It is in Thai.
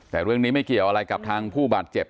แต่เรื่องนี้ไม่เกี่ยวอะไรกับทางผู้บาดเจ็บ